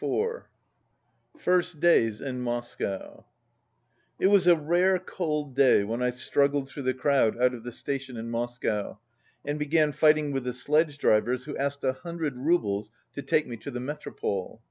24 FIRST DAYS IN MOSCOW It was a rare cold day when I struggled through the crowd out of the station in Moscow, and be gan fighting with the sledge drivers who asked a hundred roubles to take me to the Metropole.